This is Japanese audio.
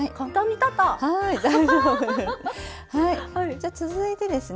じゃ続いてですね